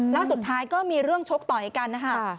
แล้วสุดท้ายก็มีเรื่องชกต่อยกันนะคะ